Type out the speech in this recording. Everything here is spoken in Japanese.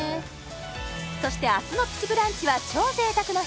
そして明日の「プチブランチ」は超贅沢の日